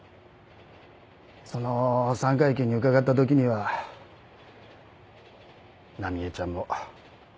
その三回忌に伺った時には奈美絵ちゃんも。